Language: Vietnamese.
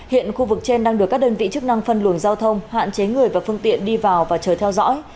hiện khu vực trên đang được các đơn vị chức năng phân luồng giao thông hạn chế người và phương tiện đi vào và chờ theo dõi